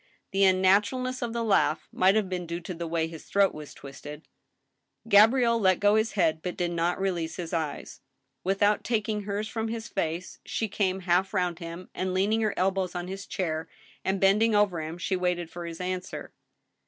The unnaturalness of the laugh might have been due to the way his throat was twisted. Gabrielle let go his head, but did not release his eyes. Without taking hers from his face, she came half round him, and leaning her elbows on his chair, and bending over him, she waited for his answer.